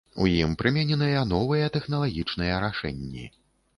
У ім прымененыя новыя тэхналагічныя рашэнні.